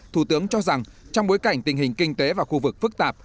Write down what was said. thủ tướng cho rằng trong bối cảnh tình hình kinh tế và khu vực phức tạp